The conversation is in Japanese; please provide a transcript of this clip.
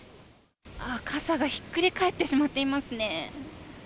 あー、傘がひっくり返ってしまっていますね。